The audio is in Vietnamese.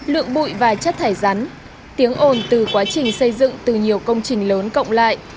lượng bụi và chất thải rắn tiếng ồn từ quá trình xây dựng từ nhiều công trình lớn cộng lại